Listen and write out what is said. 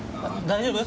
大丈夫？